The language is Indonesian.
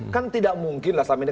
kan tidak mungkin lah selama ini